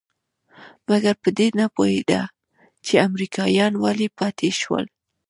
مګر په دې نه پوهېده چې امريکايان ولې پاتې شول.